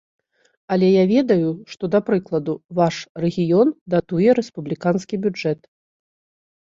Але я ведаю, што, да прыкладу, ваш рэгіён датуе рэспубліканскі бюджэт.